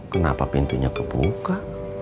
kenapa pintunya kebuka